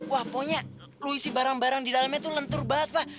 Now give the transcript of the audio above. wah pokoknya lo isi barang barang di dalamnya tuh lentur banget fah